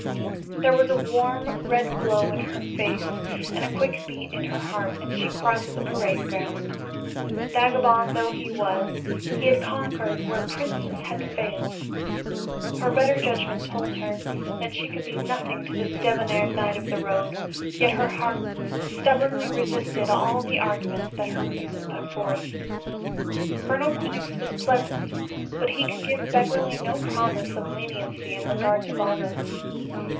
There was a warm, red glow in her face and a quick beat in her heart as she crossed the parade ground. Vagabond though he was, he had conquered where princes had failed. Her better judgment told her that she could be nothing to this debonair knight of the road, yet her heart stubbornly resisted all the arguments that her reason put forth. Colonel Quinnox was pleasant, but he could give Beverly no promise of leniency in regard to Baldos.